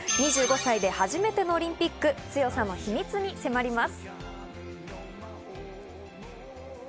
２５歳で初めてのオリンピック、強さの秘密に迫ります。